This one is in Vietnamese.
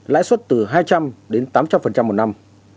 lãi suất từ hai trăm linh đến tám trăm linh một năm